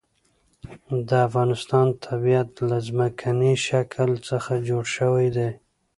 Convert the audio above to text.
د افغانستان طبیعت له ځمکنی شکل څخه جوړ شوی دی.